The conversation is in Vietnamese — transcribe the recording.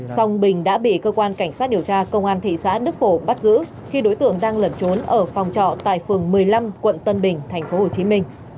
xong bình đã bị cơ quan cảnh sát điều tra công an thị xã đức phổ bắt giữ khi đối tượng đang lẩn trốn ở phòng trọ tại phường một mươi năm quận tân bình tp hcm